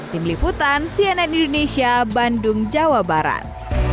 tim liputan cnn indonesia bandung jawa barat